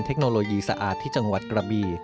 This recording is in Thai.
เทคโนโลยีสะอาดที่จังหวัดกระบี